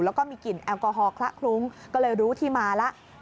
แล้วก็มีกลิ่นแอลกอฮอลคละคลุ้งก็เลยรู้ที่มาแล้ว